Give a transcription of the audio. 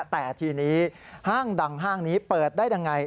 แต่ทีนี้ห้างดังห้างนี้เปิดได้ยังไง